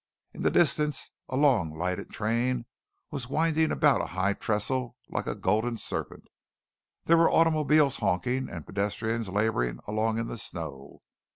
In the distance a long lighted train was winding about a high trestle like a golden serpent. There were automobiles honking and pedestrians laboring along in the snow.